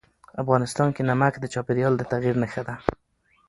افغانستان کې نمک د چاپېریال د تغیر نښه ده.